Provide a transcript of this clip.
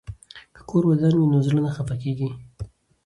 که کور ودان وي نو زړه نه خفه کیږي.